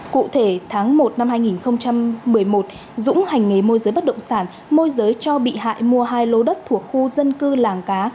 cụ thể tháng một năm hai nghìn một mươi một dũng hành nghề môi giới bất động sản môi giới cho bị hại mua hai lô đất thuộc khu dân cư làng cá